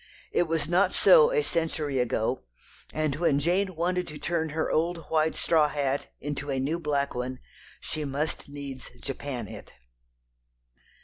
It was not so a century ago, and when Jane wanted to turn her old white straw hat into a new black one, she must needs Japan it.